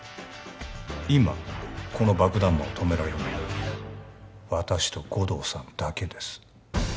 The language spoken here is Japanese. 今この爆弾魔を止められるのは私と護道さんだけです